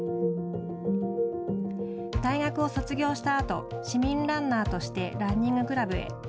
大学を卒業したあと市民ランナーとしてランニングクラブへ。